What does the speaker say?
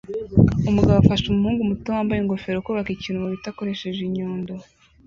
Umugabo afasha umuhungu muto wambaye ingofero kubaka ikintu mubiti akoresheje inyundo